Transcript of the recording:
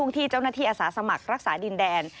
ที่เจ้าหน้าที่อาสาสมัครรักษาดินแดน